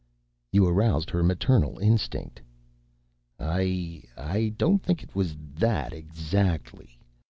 "You aroused her maternal instinct." "I ... I don't think it was that ... exactly.